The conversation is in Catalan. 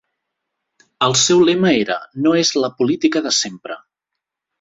El seu lema era "No és la política de sempre".